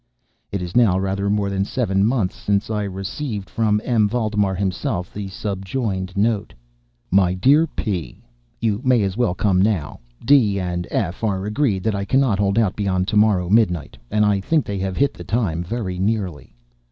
It is now rather more than seven months since I received, from M. Valdemar himself, the subjoined note: MY DEAR P——, You may as well come now. D—— and F—— are agreed that I cannot hold out beyond to morrow midnight; and I think they have hit the time very nearly.